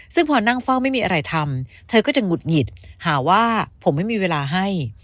ซึ่งพอนั่งเฝ้าไม่มีอะไรทำเธอก็จะหงุดหงิดหาว่าผมไม่มีเวลาให้